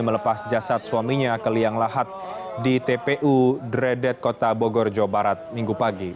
melepas jasad suaminya ke liang lahat di tpu dredet kota bogor jawa barat minggu pagi